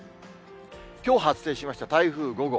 きょう発生しました台風５号。